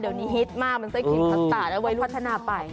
เดี๋ยวนี้ฮิตมากมันไส้ครีมพัดตาเอาไว้พัฒนาไป